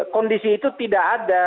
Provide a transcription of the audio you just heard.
kondisi itu tidak ada